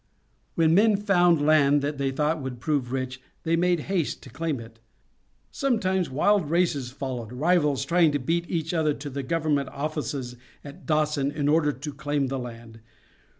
When men found land that they thought would prove rich they made haste to claim it. Sometimes wild races followed, rivals trying to beat each other to the government offices at Dawson in order to claim the land.